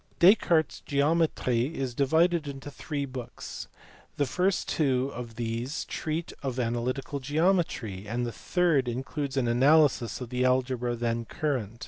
Descartes s Geometrie is divided into three books : the first two of these treat of analytical geometry, and the third in cludes an analysis of the algebra then current.